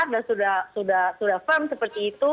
dan sudah firm seperti itu